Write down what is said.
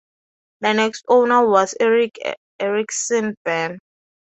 The next owner was Erik Eriksen Banner.